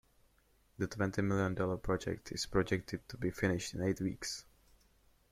The twenty million dollar project is projected to be finished in eight weeks.